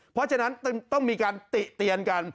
เพราะฉะนั้นต้องมีการติเตียนกัน